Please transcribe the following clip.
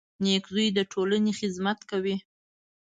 • نېک زوی د ټولنې خدمت کوي.